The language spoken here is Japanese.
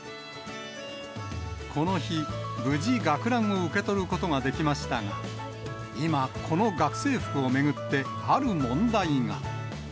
この日、無事、学ランを受け取ることができましたが、今、この学生服を巡って、ある問題が。